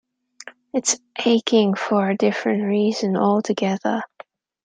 It's aching for a different reason altogether.